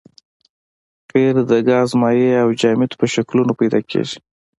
قیر د ګاز مایع او جامد په شکلونو پیدا کیږي